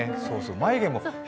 眉毛も「へ」